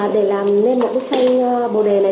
để làm nên một bức tranh bồ đề này